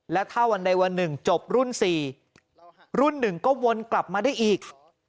และถ้าวันใดวันหนึ่งจบรุ่น๔รุ่นหนึ่งก็วนกลับมาได้อีก